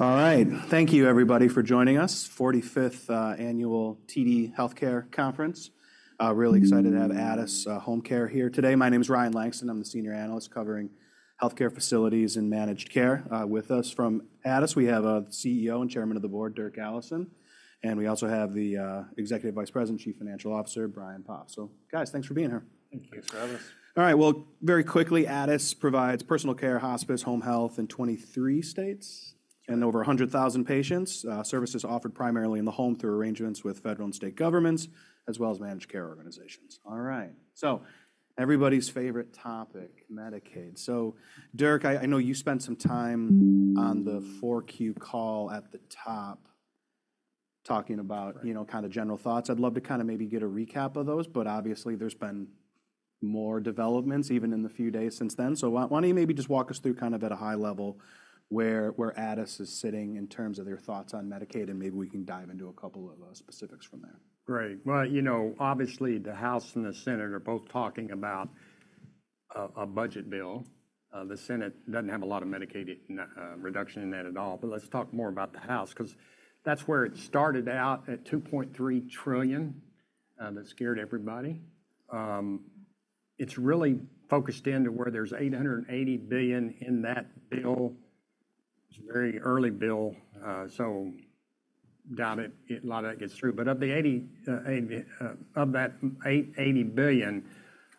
All right. Thank you, everybody, for joining us. 45th Annual TD Health Care Conference. Really excited to have Addus HomeCare here today. My name is Ryan Langston. I'm the Senior Analyst covering healthcare facilities and managed care with us. From Addus, we have CEO and Chairman of the Board, Dirk Allison, and we also have the Executive Vice President, Chief Financial Officer, Brian Poff. So, guys, thanks for being here. Thank you for having us. All right. Well, very quickly, Addus provides personal care, hospice, home health in 23 states and over 100,000 patients. Services offered primarily in the home through arrangements with federal and state governments, as well as managed care organizations. All right. So everybody's favorite topic, Medicaid. So, Dirk, I know you spent some time on the 4Q call at the top talking about, you know, kind of general thoughts. I'd love to kind of maybe get a recap of those, but obviously there's been more developments even in the few days since then. So why don't you maybe just walk us through kind of at a high level where Addus is sitting in terms of their thoughts on Medicaid, and maybe we can dive into a couple of specifics from there. Great. Well, you know, obviously the House and the Senate are both talking about a budget bill. The Senate doesn't have a lot of Medicaid reduction in that at all. But let's talk more about the House because that's where it started out at $2.3 trillion that scared everybody. It's really focused in to where there's $880 billion in that bill. It's a very early bill. So doubt it, a lot of that gets through. But of the $80 billion,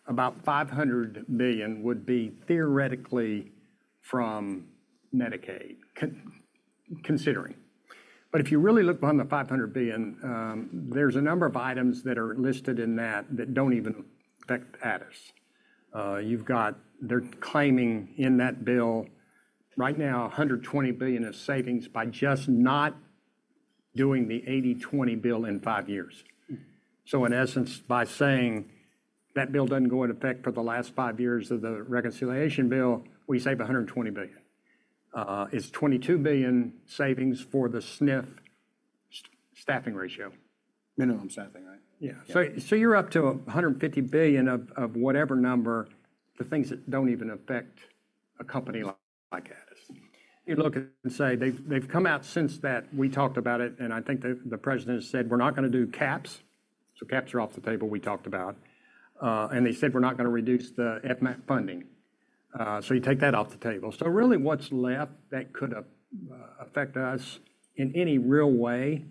about $500 billion would be theoretically from Medicaid, considering. But if you really look behind the $500 billion, there's a number of items that are listed in that that don't even affect Addus. You've got they're claiming in that bill right now $120 billion of savings by just not doing the 80/20 bill in five years. In essence, by saying that bill doesn't go into effect for the last five years of the reconciliation bill, we save $120 billion. It's $22 billion savings for the SNF staffing ratio. Minimum staffing, right? Yeah. So you're up to $150 billion of whatever number, the things that don't even affect a company like Addus. You look and say they've come out since that we talked about it, and I think the President said, "We're not going to do caps." So caps are off the table we talked about. And they said, "We're not going to reduce the FMAP funding." So you take that off the table. So really what's left that could affect us in any real way,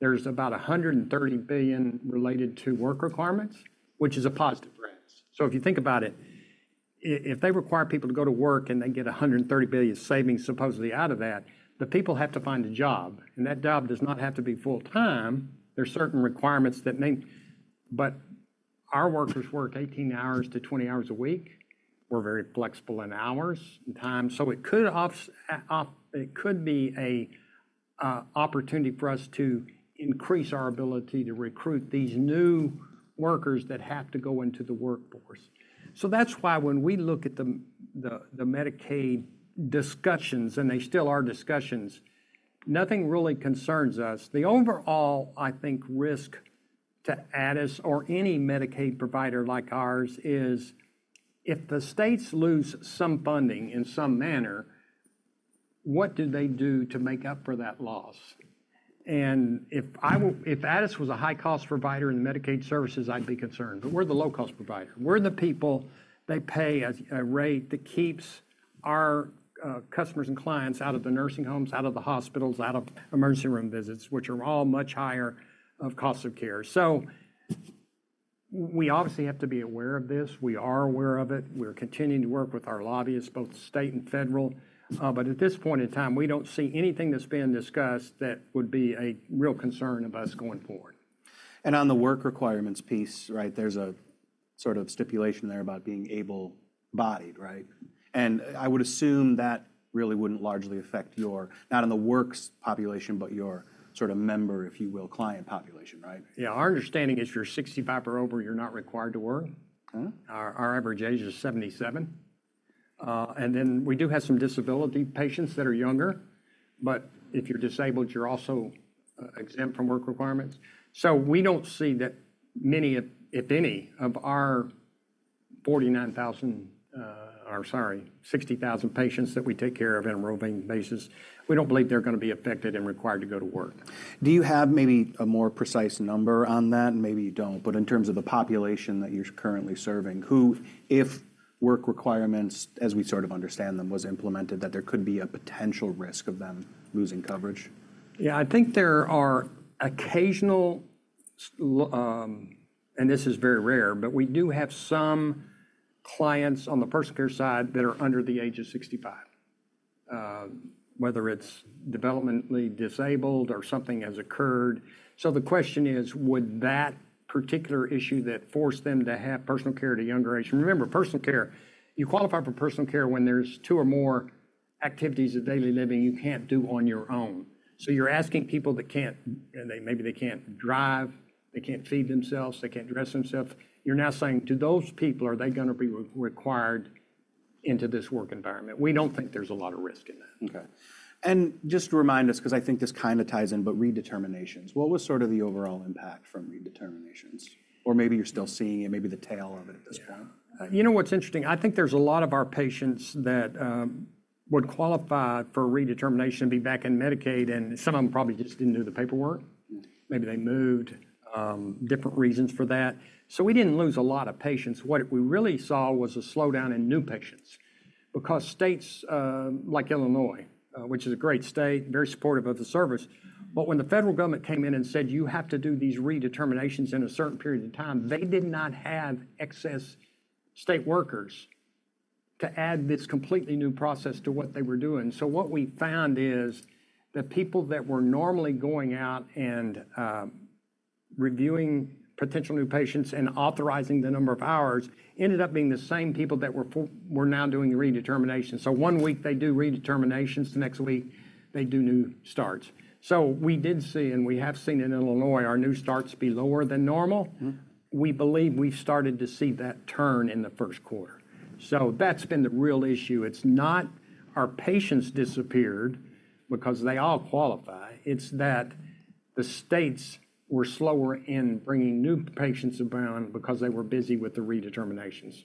there's about $130 billion related to work requirements, which is a positive for Addus. So if you think about it, if they require people to go to work and they get $130 billion savings supposedly out of that, the people have to find a job. And that job does not have to be full time. There's certain requirements that may, but our workers work 18 hours-20 hours a week. We're very flexible in hours and time. So it could be an opportunity for us to increase our ability to recruit these new workers that have to go into the workforce. So that's why when we look at the Medicaid discussions, and they still are discussions, nothing really concerns us. The overall, I think, risk to Addus or any Medicaid provider like ours is if the states lose some funding in some manner, what do they do to make up for that loss, and if Addus was a high-cost provider in Medicaid services, I'd be concerned, but we're the low-cost provider. We're the people they pay a rate that keeps our customers and clients out of the nursing homes, out of the hospitals, out of emergency room visits, which are all much higher cost of care. So we obviously have to be aware of this. We are aware of it. We're continuing to work with our lobbyists, both state and federal. But at this point in time, we don't see anything that's being discussed that would be a real concern of us going forward. On the work requirements piece, right, there's a sort of stipulation there about being able-bodied, right? I would assume that really wouldn't largely affect your, not on the workers population, but your sort of member, if you will, client population, right? Yeah. Our understanding is if you're 65 or over, you're not required to work. Our average age is 77, and then we do have some disability patients that are younger, but if you're disabled, you're also exempt from work requirements, so we don't see that many, if any, of our 49,000 or sorry, 60,000 patients that we take care of on a routine basis. We don't believe they're going to be affected and required to go to work. Do you have maybe a more precise number on that? And maybe you don't, but in terms of the population that you're currently serving, who, if work requirements, as we sort of understand them, was implemented, that there could be a potential risk of them losing coverage? Yeah, I think there are occasional, and this is very rare, but we do have some clients on the personal care side that are under the age of 65, whether it's developmentally disabled or something has occurred. So the question is, would that particular issue that forced them to have personal care at a younger age? Remember, personal care, you qualify for personal care when there's two or more activities of daily living you can't do on your own. So you're asking people that can't, and maybe they can't drive, they can't feed themselves, they can't dress themselves. You're now saying, do those people, are they going to be required into this work environment? We don't think there's a lot of risk in that. Okay. And just to remind us, because I think this kind of ties in, but redeterminations, what was sort of the overall impact from redeterminations? Or maybe you're still seeing it, maybe the tail of it at this point? You know what's interesting? I think there's a lot of our patients that would qualify for redetermination to be back in Medicaid, and some of them probably just didn't do the paperwork. Maybe they moved, different reasons for that. So we didn't lose a lot of patients. What we really saw was a slowdown in new patients because states like Illinois, which is a great state, very supportive of the service. But when the federal government came in and said, "You have to do these redeterminations in a certain period of time," they did not have excess state workers to add this completely new process to what they were doing. So what we found is the people that were normally going out and reviewing potential new patients and authorizing the number of hours ended up being the same people that were now doing redeterminations. One week they do redeterminations, the next week they do new starts. We did see, and we have seen in Illinois, our new starts be lower than normal. We believe we've started to see that turn in the first quarter. That's been the real issue. It's not our patients disappeared because they all qualify. It's that the states were slower in bringing new patients around because they were busy with the redeterminations.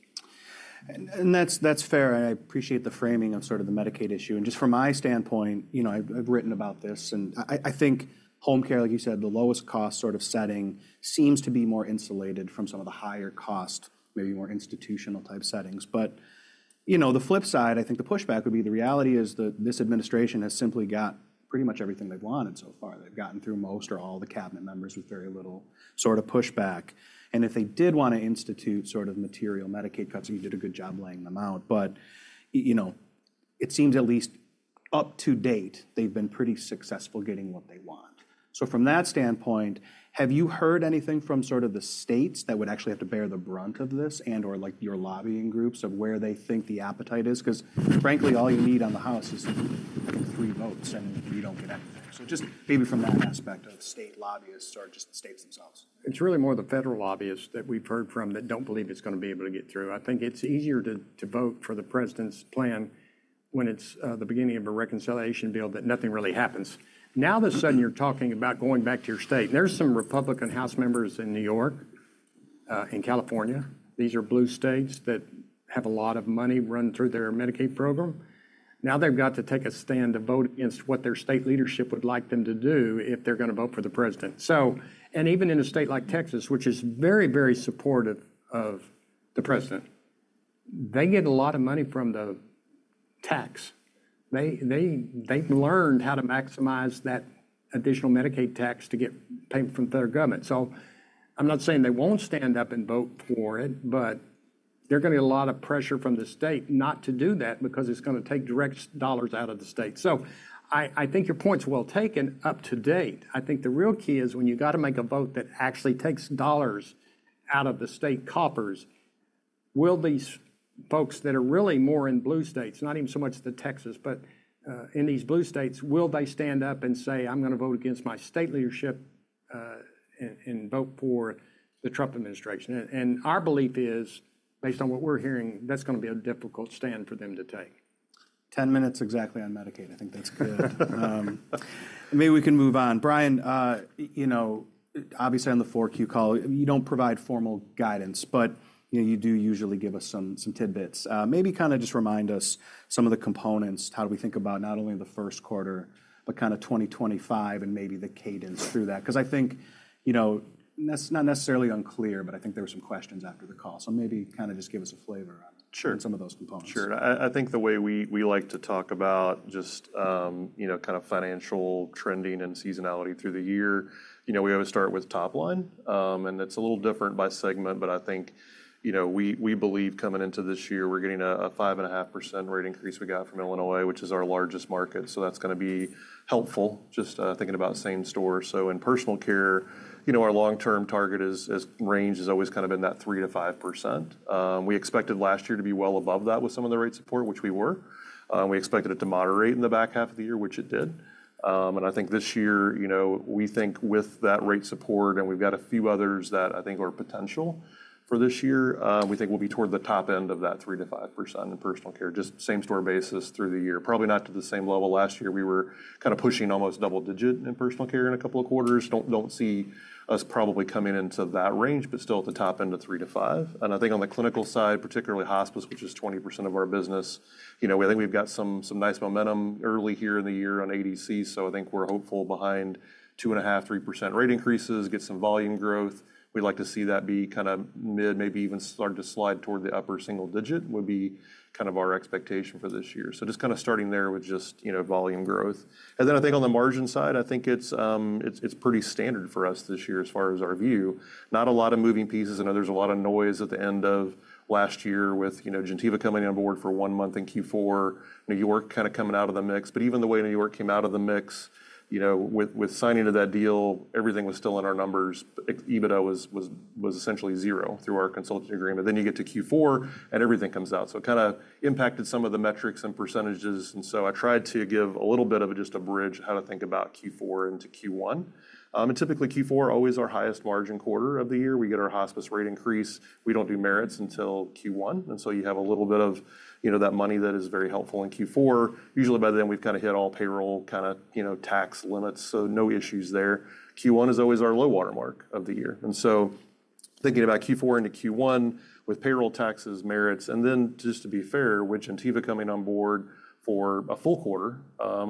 That's fair. I appreciate the framing of sort of the Medicaid issue. Just from my standpoint, you know, I've written about this, and I think home care, like you said, the lowest cost sort of setting seems to be more insulated from some of the higher cost, maybe more institutional type settings. You know, the flip side, I think the pushback would be the reality is that this administration has simply got pretty much everything they've wanted so far. They've gotten through most or all the cabinet members with very little sort of pushback. If they did want to institute sort of material Medicaid cuts, you did a good job laying them out. You know, it seems at least up to date they've been pretty successful getting what they want. So from that standpoint, have you heard anything from sort of the states that would actually have to bear the brunt of this and/or like your lobbying groups of where they think the appetite is? Because frankly, all you need on the House is three votes and you don't get anything. So just maybe from that aspect of state lobbyists or just the states themselves. It's really more the federal lobbyists that we've heard from that don't believe it's going to be able to get through. I think it's easier to vote for the President's plan when it's the beginning of a reconciliation bill that nothing really happens. Now, all of a sudden, you're talking about going back to your state. There's some Republican House members in New York, in California. These are blue states that have a lot of money run through their Medicaid program. Now they've got to take a stand to vote against what their state leadership would like them to do if they're going to vote for the President. So, and even in a state like Texas, which is very, very supportive of the President, they get a lot of money from the tax. They've learned how to maximize that additional Medicaid tax to get payment from the federal government. To date, I think the real key is when you've got to make a vote that actually takes dollars out of the state coffers, will these folks that are really more in blue states, not even so much the Texas, but in these blue states, will they stand up and say, "I'm going to vote against my state leadership and vote for the Trump administration"? And our belief is, based on what we're hearing, that's going to be a difficult stand for them to take. 10 minutes exactly on Medicaid. I think that's good. Maybe we can move on. Brian, you know, obviously on the 4Q call, you don't provide formal guidance, but you do usually give us some tidbits. Maybe kind of just remind us some of the components, how do we think about not only the first quarter, but kind of 2025 and maybe the cadence through that? Because I think, you know, that's not necessarily unclear, but I think there were some questions after the call. So maybe kind of just give us a flavor on some of those components. Sure. I think the way we like to talk about just, you know, kind of financial trending and seasonality through the year, you know, we always start with top line, and it's a little different by segment, but I think, you know, we believe coming into this year, we're getting a 5.5% rate increase we got from Illinois, which is our largest market, so that's going to be helpful just thinking about same store, so in personal care, you know, our long-term target range has always kind of been that 3%-5%. We expected last year to be well above that with some of the rate support, which we were. We expected it to moderate in the back half of the year, which it did. And I think this year, you know, we think with that rate support, and we've got a few others that I think are potential for this year, we think we'll be toward the top end of that 3%-5% in personal care, just same store basis through the year. Probably not to the same level. Last year, we were kind of pushing almost double digit in personal care in a couple of quarters. Do not see us probably coming into that range, but still at the top end of 3%-5%. And I think on the clinical side, particularly hospice, which is 20% of our business, you know, I think we've got some nice momentum early here in the year on ADC. So I think we're hopeful behind 2.5%-3% rate increases, get some volume growth. We'd like to see that be kind of mid, maybe even start to slide toward the upper single digit would be kind of our expectation for this year. So just kind of starting there with just, you know, volume growth. And then I think on the margin side, I think it's pretty standard for us this year as far as our view. Not a lot of moving pieces. I know there's a lot of noise at the end of last year with, you know, Gentiva coming on board for one month in Q4, New York kind of coming out of the mix. But even the way New York came out of the mix, you know, with signing to that deal, everything was still in our numbers. EBITDA was essentially zero through our consulting agreement, then you get to Q4 and everything comes out. So it kind of impacted some of the metrics and percentages. And so I tried to give a little bit of just a bridge how to think about Q4 into Q1. And typically Q4, always our highest margin quarter of the year. We get our hospice rate increase. We don't do merits until Q1. And so you have a little bit of, you know, that money that is very helpful in Q4. Usually by then we've kind of hit all payroll kind of, you know, tax limits. So no issues there. Q1 is always our low watermark of the year. And so thinking about Q4 into Q1 with payroll taxes, merits, and then just to be fair, with Gentiva coming on board for a full quarter,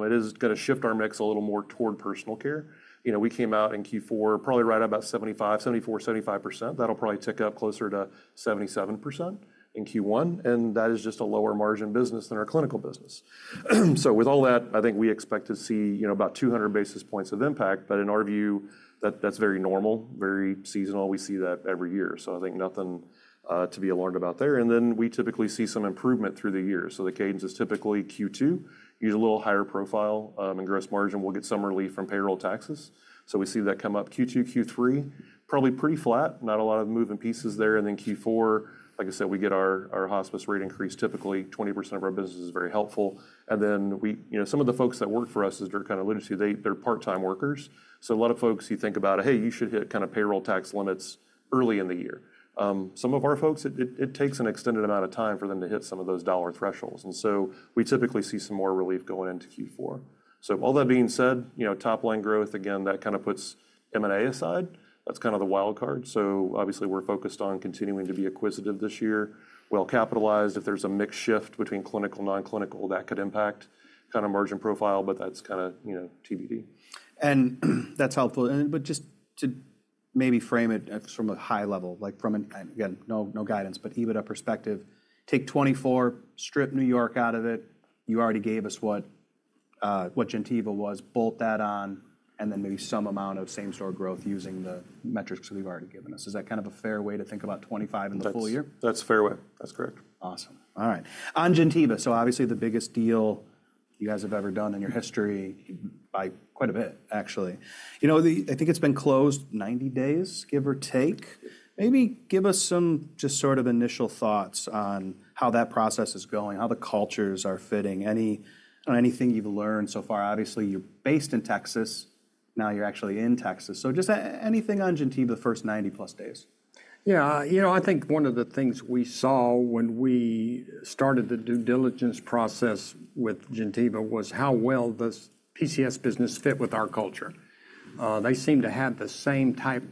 it is going to shift our mix a little more toward personal care. You know, we came out in Q4 probably right at about 75%, 74,% 75%. That'll probably tick up closer to 77% in Q1. And that is just a lower margin business than our clinical business. So with all that, I think we expect to see, you know, about 200 basis points of impact. But in our view, that's very normal, very seasonal. We see that every year. So I think nothing to be alarmed about there. And then we typically see some improvement through the year. So the cadence is typically Q2 usually a little higher profit and gross margin. We'll get some relief from payroll taxes. So we see that come up Q2, Q3, probably pretty flat, not a lot of moving pieces there. And then Q4, like I said, we get our hospice rate increase, typically 20% of our business is very helpful. And then we, you know, some of the folks that work for us, as Dirk kind of alluded to, they're part-time workers. So a lot of folks, you think about, hey, you should hit kind of payroll tax limits early in the year. Some of our folks, it takes an extended amount of time for them to hit some of those dollar thresholds. And so we typically see some more relief going into Q4. So all that being said, you know, top line growth, again, that kind of puts M&A aside. That's kind of the wild card. So obviously we're focused on continuing to be acquisitive this year, well capitalized. If there's a mixed shift between clinical, non-clinical, that could impact kind of margin profile, but that's kind of, you know, TBD. That's helpful. Just to maybe frame it from a high level, like from an, again, no guidance, but EBITDA perspective, take 2024, strip New York out of it. You already gave us what Gentiva was, bolt that on, and then maybe some amount of same store growth using the metrics that you've already given us. Is that kind of a fair way to think about 2025 in the full year? That's fair way. That's correct. Awesome. All right. On Gentiva, so obviously the biggest deal you guys have ever done in your history by quite a bit, actually. You know, I think it's been closed 90 days, give or take. Maybe give us some just sort of initial thoughts on how that process is going, how the cultures are fitting, on anything you've learned so far. Obviously, you're based in Texas. Now you're actually in Texas. So just anything on Gentiva, the first 90+ days. Yeah, you know, I think one of the things we saw when we started the due diligence process with Gentiva was how well does PCS business fit with our culture? They seem to have the same type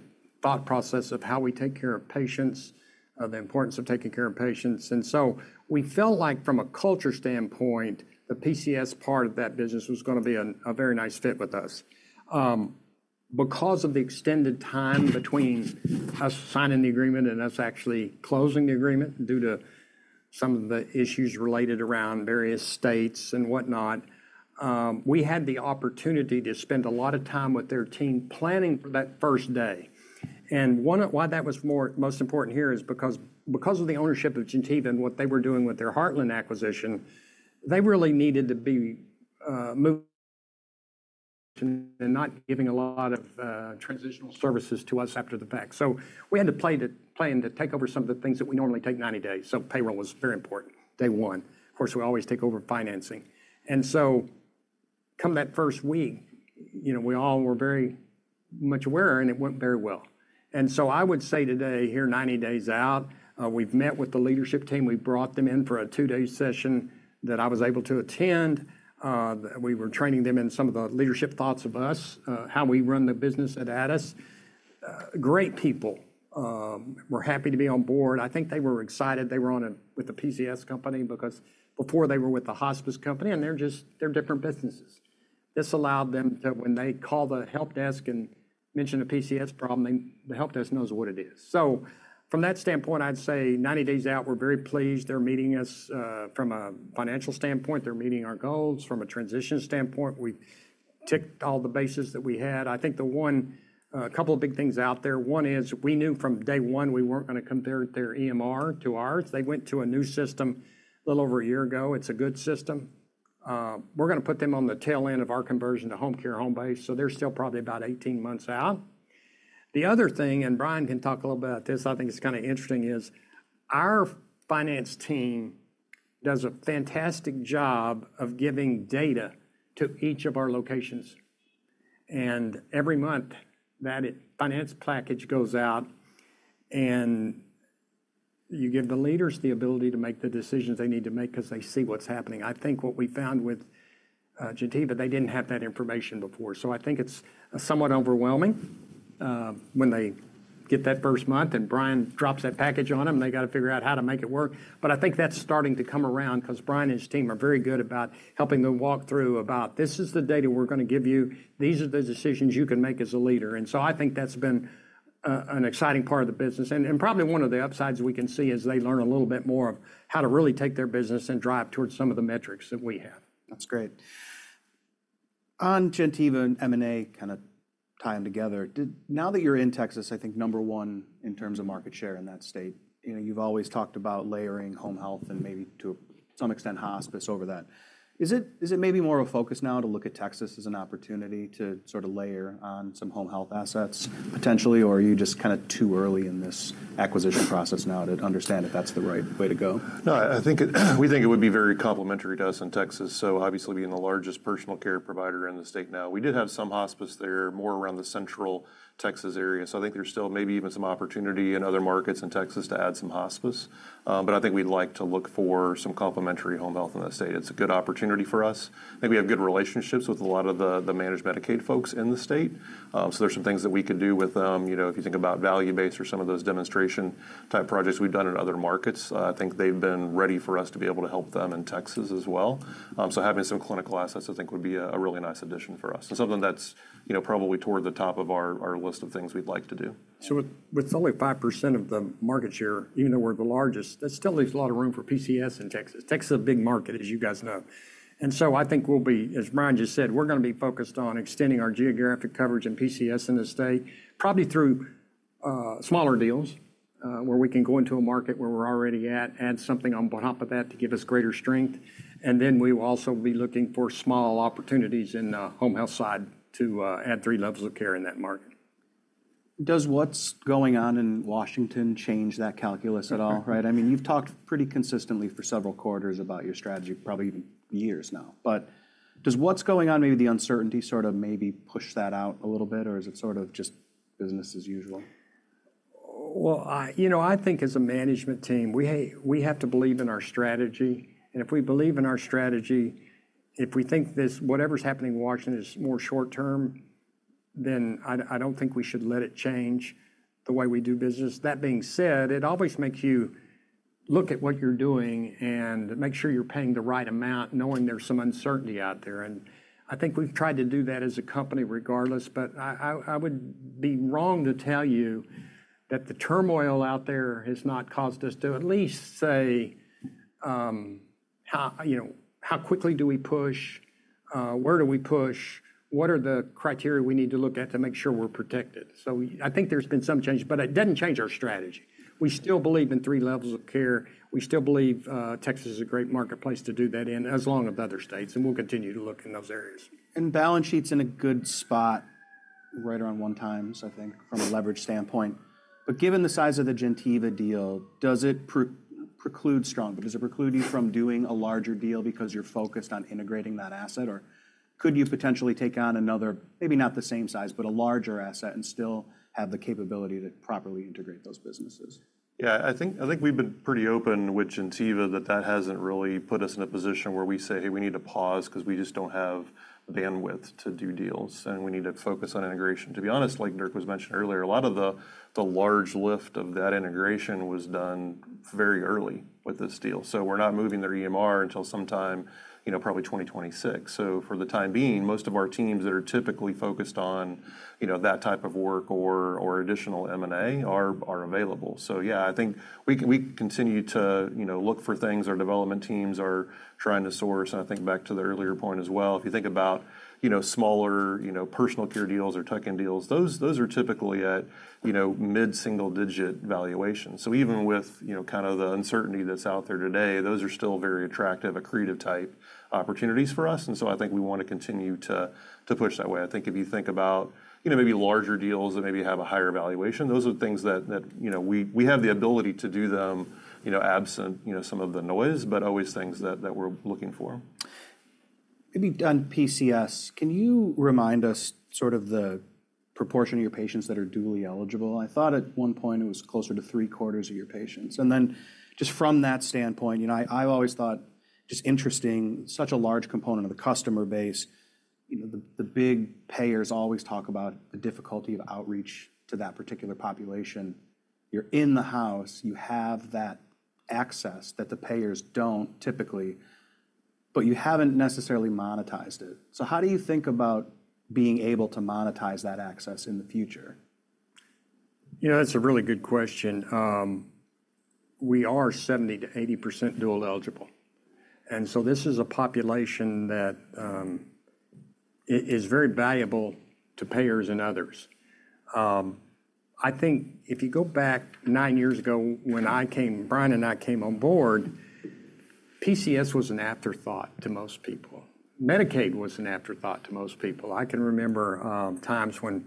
thought process of how we take care of patients, the importance of taking care of patients, and so we felt like from a culture standpoint, the PCS part of that business was going to be a very nice fit with us. Because of the extended time between us signing the agreement and us actually closing the agreement due to some of the issues related around various states and whatnot, we had the opportunity to spend a lot of time with their team planning for that first day. Why that was most important here is because of the ownership of Gentiva and what they were doing with their Heartland acquisition. They really needed to be moving and not giving a lot of transitional services to us after the fact. We had to plan to take over some of the things that we normally take 90 days. Payroll was very important day one. Of course, we always take over financing. Come that first week, you know, we all were very much aware and it went very well. I would say today here, 90 days out, we've met with the leadership team. We brought them in for a two-day session that I was able to attend. We were training them in some of the leadership thoughts of us, how we run the business at Addus. Great people. We're happy to be on board. I think they were excited. They were on with the PCS company because before they were with the hospice company and they're just, they're different businesses. This allowed them to, when they call the help desk and mention a PCS problem, the help desk knows what it is. So from that standpoint, I'd say 90 days out, we're very pleased. They're meeting us from a financial standpoint. They're meeting our goals from a transition standpoint. We ticked all the bases that we had. I think the one, a couple of big things out there. One is we knew from day one we weren't going to compare their EMR to ours. They went to a new system a little over a year ago. It's a good system. We're going to put them on the tail end of our conversion to Homecare Homebase. So they're still probably about 18 months out. The other thing, and Brian can talk a little bit about this, I think it's kind of interesting, is our finance team does a fantastic job of giving data to each of our locations. And every month that finance package goes out and you give the leaders the ability to make the decisions they need to make because they see what's happening. I think what we found with Gentiva, they didn't have that information before. So I think it's somewhat overwhelming when they get that first month and Brian drops that package on them and they got to figure out how to make it work. But I think that's starting to come around because Brian and his team are very good about helping them walk through about this is the data we're going to give you. These are the decisions you can make as a leader. And so I think that's been an exciting part of the business. And probably one of the upsides we can see is they learn a little bit more of how to really take their business and drive towards some of the metrics that we have. That's great. On Gentiva and M&A kind of tying together, now that you're in Texas, I think number one in terms of market share in that state, you know, you've always talked about layering home health and maybe to some extent hospice over that. Is it maybe more of a focus now to look at Texas as an opportunity to sort of layer on some home health assets potentially, or are you just kind of too early in this acquisition process now to understand if that's the right way to go? No, I think we think it would be very complementary to us in Texas. So obviously being the largest personal care provider in the state now, we did have some hospice there more around the central Texas area. So I think there's still maybe even some opportunity in other markets in Texas to add some hospice. But I think we'd like to look for some complementary home health in that state. It's a good opportunity for us. I think we have good relationships with a lot of the managed Medicaid folks in the state. So there's some things that we could do with them. You know, if you think about value-based or some of those demonstration type projects we've done in other markets, I think they've been ready for us to be able to help them in Texas as well. So having some clinical assets, I think, would be a really nice addition for us. And something that's, you know, probably toward the top of our list of things we'd like to do. So with only 5% of the market share, even though we're the largest, that still leaves a lot of room for PCS in Texas. Texas is a big market, as you guys know. And so I think we'll be, as Brian just said, we're going to be focused on extending our geographic coverage and PCS in the state, probably through smaller deals where we can go into a market where we're already at, add something on top of that to give us greater strength. And then we will also be looking for small opportunities in the home health side to add three levels of care in that market. Does what's going on in Washington change that calculus at all? Right? I mean, you've talked pretty consistently for several quarters about your strategy, probably even years now. But does what's going on, maybe the uncertainty sort of push that out a little bit, or is it sort of just business as usual? Well, you know, I think as a management team, we have to believe in our strategy. And if we believe in our strategy, if we think this, whatever's happening in Washington is more short-term, then I don't think we should let it change the way we do business. That being said, it always makes you look at what you're doing and make sure you're paying the right amount, knowing there's some uncertainty out there. And I think we've tried to do that as a company regardless, but I would be wrong to tell you that the turmoil out there has not caused us to at least say, you know, how quickly do we push, where do we push, what are the criteria we need to look at to make sure we're protected. So I think there's been some change, but it didn't change our strategy. We still believe in three levels of care. We still believe Texas is a great marketplace to do that in, as long as other states, and we'll continue to look in those areas. And balance sheet's in a good spot right around one times, I think, from a leverage standpoint. But given the size of the Gentiva deal, does it strongly preclude? Does it preclude you from doing a larger deal because you're focused on integrating that asset? Or could you potentially take on another, maybe not the same size, but a larger asset and still have the capability to properly integrate those businesses? Yeah, I think we've been pretty open with Gentiva that that hasn't really put us in a position where we say, hey, we need to pause because we just don't have bandwidth to do deals, and we need to focus on integration. To be honest, like Dirk was mentioning earlier, a lot of the large lift of that integration was done very early with this deal. So we're not moving their EMR until sometime, you know, probably 2026. So for the time being, most of our teams that are typically focused on, you know, that type of work or additional M&A are available. So yeah, I think we continue to, you know, look for things our development teams are trying to source. I think back to the earlier point as well, if you think about, you know, smaller, you know, personal care deals or tuck-in deals, those are typically at, you know, mid-single digit valuations. Even with, you know, kind of the uncertainty that's out there today, those are still very attractive, accretive type opportunities for us. I think we want to continue to push that way. I think if you think about, you know, maybe larger deals that maybe have a higher valuation, those are things that, you know, we have the ability to do them, you know, absent, you know, some of the noise, but always things that we're looking for. Maybe on PCS, can you remind us sort of the proportion of your patients that are dual eligible? I thought at one point it was closer to three quarters of your patients. And then just from that standpoint, you know, I've always thought just interesting, such a large component of the customer base, you know, the big payers always talk about the difficulty of outreach to that particular population. You're in the house, you have that access that the payers don't typically, but you haven't necessarily monetized it. So how do you think about being able to monetize that access in the future? You know, that's a really good question. We are 70%-80% dual eligible. And so this is a population that is very valuable to payers and others. I think if you go back nine years ago when I came, Brian and I came on board, PCS was an afterthought to most people. Medicaid was an afterthought to most people. I can remember times when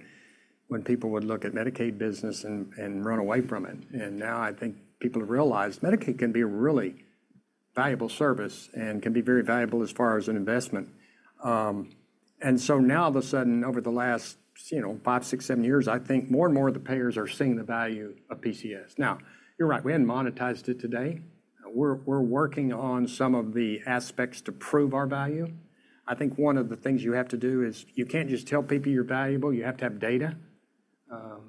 people would look at Medicaid business and run away from it. And now I think people have realized Medicaid can be a really valuable service and can be very valuable as far as an investment. And so now all of a sudden, over the last, you know, five, six, seven years, I think more and more of the payers are seeing the value of PCS. Now, you're right, we haven't monetized it today. We're working on some of the aspects to prove our value. I think one of the things you have to do is you can't just tell people you're valuable, you have to have data.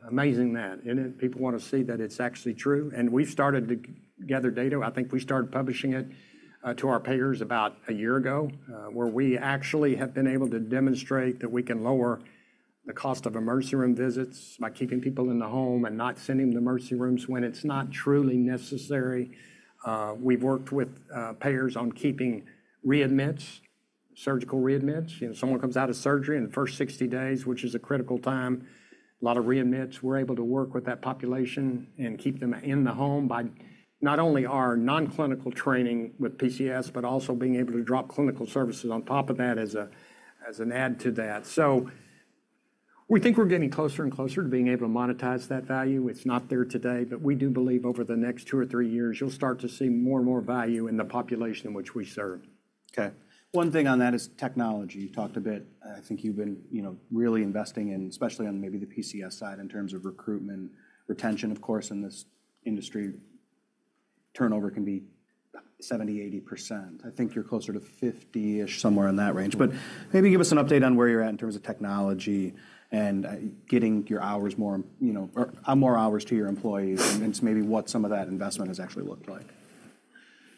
Amazing that. And people want to see that it's actually true. And we've started to gather data. I think we started publishing it to our payers about a year ago where we actually have been able to demonstrate that we can lower the cost of emergency room visits by keeping people in the home and not sending them to emergency rooms when it's not truly necessary. We've worked with payers on keeping readmits, surgical readmits. You know, someone comes out of surgery in the first 60 days, which is a critical time, a lot of readmits. We're able to work with that population and keep them in the home by not only our non-clinical training with PCS, but also being able to drop clinical services on top of that as an add to that. So we think we're getting closer and closer to being able to monetize that value. It's not there today, but we do believe over the next two or three years, you'll start to see more and more value in the population in which we serve. Okay. One thing on that is technology. You talked a bit. I think you've been, you know, really investing in, especially on maybe the PCS side in terms of recruitment, retention. Of course, in this industry, turnover can be 70%-80%. I think you're closer to 50%-ish, somewhere in that range, but maybe give us an update on where you're at in terms of technology and getting your hours more, you know, more hours to your employees and maybe what some of that investment has actually looked like.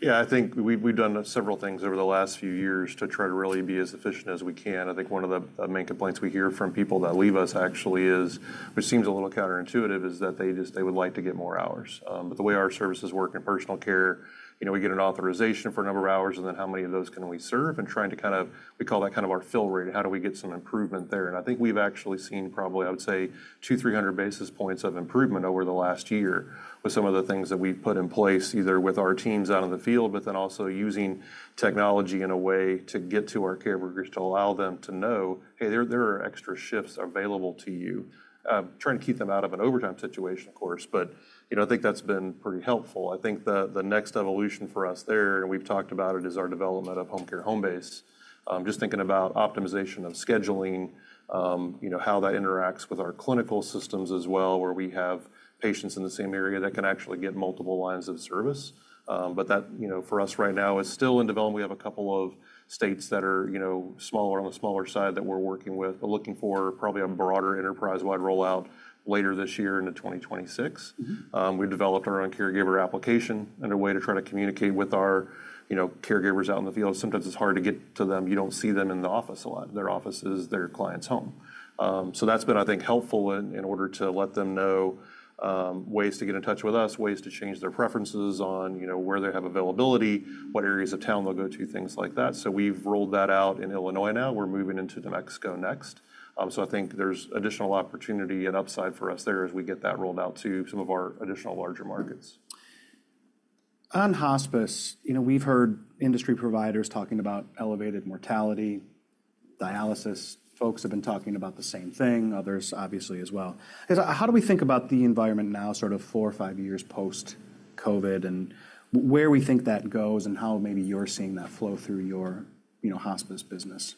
Yeah, I think we've done several things over the last few years to try to really be as efficient as we can. I think one of the main complaints we hear from people that leave us actually is, which seems a little counterintuitive, is that they just, they would like to get more hours. But the way our services work in personal care, you know, we get an authorization for a number of hours and then how many of those can we serve and trying to kind of, we call that kind of our fill rate, how do we get some improvement there. And I think we've actually seen probably, I would say, 200 basis points-300 basis points of improvement over the last year with some of the things that we've put in place either with our teams out in the field, but then also using technology in a way to get to our care workers to allow them to know, hey, there are extra shifts available to you. Trying to keep them out of an overtime situation, of course, but you know, I think that's been pretty helpful. I think the next evolution for us there, and we've talked about it, is our development of Homecare Homebase. Just thinking about optimization of scheduling, you know, how that interacts with our clinical systems as well, where we have patients in the same area that can actually get multiple lines of service. But that, you know, for us right now is still in development. We have a couple of states that are, you know, smaller on the smaller side that we're working with, but looking for probably a broader enterprise-wide rollout later this year into 2026. We've developed our own caregiver application and a way to try to communicate with our, you know, caregivers out in the field. Sometimes it's hard to get to them. You don't see them in the office a lot. Their office is their client's home. So that's been, I think, helpful in order to let them know ways to get in touch with us, ways to change their preferences on, you know, where they have availability, what areas of town they'll go to, things like that. So we've rolled that out in Illinois now. We're moving into New Mexico next. So I think there's additional opportunity and upside for us there as we get that rolled out to some of our additional larger markets. On hospice, you know, we've heard industry providers talking about elevated mortality, dialysis. Folks have been talking about the same thing, others obviously as well. How do we think about the environment now, sort of four or five years post-COVID and where we think that goes and how maybe you're seeing that flow through your, you know, hospice business?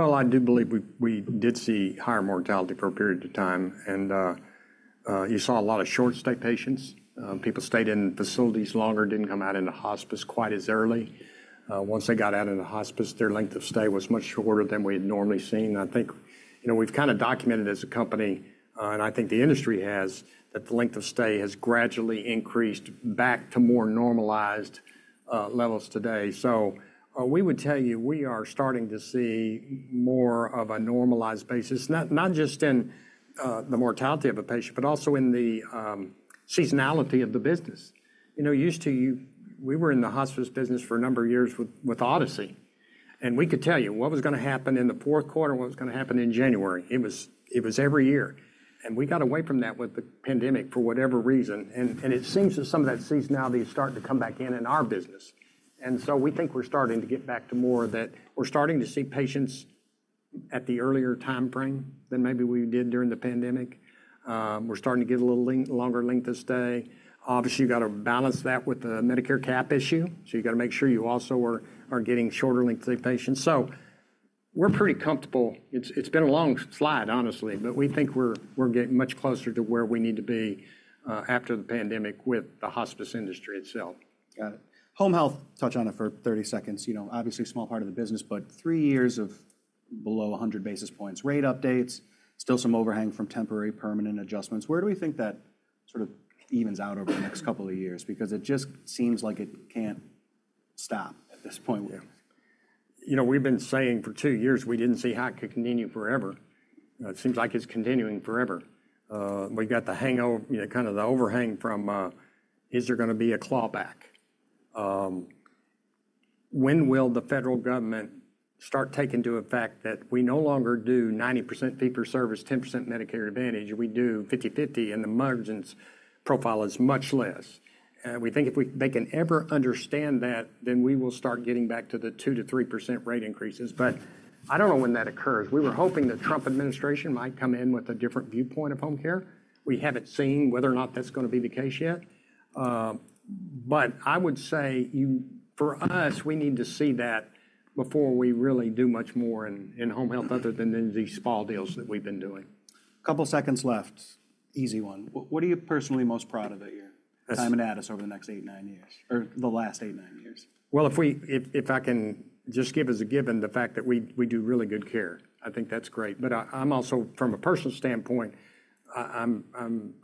I do believe we did see higher mortality for a period of time, and you saw a lot of short-stay patients. People stayed in facilities longer, didn't come out into hospice quite as early. Once they got out into hospice, their length of stay was much shorter than we had normally seen. I think, you know, we've kind of documented as a company, and I think the industry has, that the length of stay has gradually increased back to more normalized levels today, so we would tell you we are starting to see more of a normalized basis, not just in the mortality of a patient, but also in the seasonality of the business. You know. Used to, we were in the hospice business for a number of years with Odyssey. And we could tell you what was going to happen in the fourth quarter and what was going to happen in January. It was every year. And we got away from that with the pandemic for whatever reason. And it seems that some of that seasonality is starting to come back in our business. And so we think we're starting to get back to more of that. We're starting to see patients at the earlier timeframe than maybe we did during the pandemic. We're starting to get a little longer length of stay. Obviously, you've got to balance that with the Medicare cap issue. So you've got to make sure you also are getting shorter length of stay patients. So we're pretty comfortable. It's been a long slide, honestly, but we think we're getting much closer to where we need to be after the pandemic with the hospice industry itself. Got it. Home health, touch on it for 30 seconds. You know, obviously a small part of the business, but three years of below 100 basis points rate updates, still some overhang from temporary permanent adjustments. Where do we think that sort of evens out over the next couple of years? Because it just seems like it can't stop at this point. You know, we've been saying for two years we didn't see how it could continue forever. It seems like it's continuing forever. We've got the hangover, you know, kind of the overhang from is there going to be a clawback? When will the federal government start taking into effect that we no longer do 90% fee-for-service, 10% Medicare Advantage? We do 50/50 and the margin's profile is much less. We think if we can ever understand that, then we will start getting back to the 2%-3% rate increases. But I don't know when that occurs. We were hoping the Trump administration might come in with a different viewpoint of home care. We haven't seen whether or not that's going to be the case yet. But I would say for us, we need to see that before we really do much more in home health other than in these small deals that we've been doing. Couple seconds left. Easy one. What are you personally most proud of at your time at Addus over the next eight, nine years? Or the last eight, nine years? If I can just give as a given the fact that we do really good care, I think that's great. But I'm also, from a personal standpoint, I'm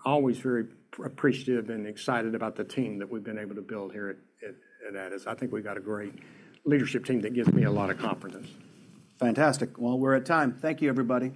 always very appreciative and excited about the team that we've been able to build here at Addus. I think we've got a great leadership team that gives me a lot of confidence. Fantastic. Well, we're at time. Thank you, everybody.